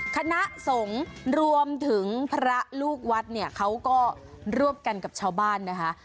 คณะสงฆ์รวมถึงพระลูกวัดเนี่ยเขาก็ร่วมกันกับชาวบ้านนะคะ